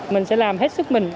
mình sẽ làm hết sức mình